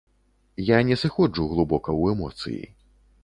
Я не сыходжу глыбока ў эмоцыі.